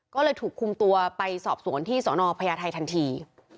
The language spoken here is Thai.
ก็เลยถูกคุมตัวไปสอบสวนที่สนพญาไทยทันที